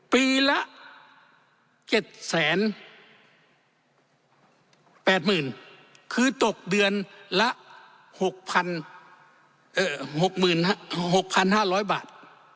ปีละเก็บแสนแปดหมื่นคือตกเดือนละหกพันเอ่อหกมื่นห้าหกพันห้าร้อยบาท